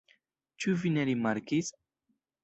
Ĉu vi ne rimarkis?